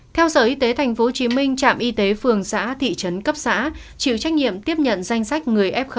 theo sở y tế tp hcm trạm y tế phường xã thị trấn cấp xã chịu trách nhiệm tiếp nhận danh sách người f một